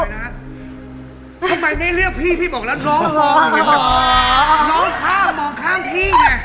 ทำไมไม่เลือกพี่พี่บอกแล้วน้องข้ามพี่เนี่ย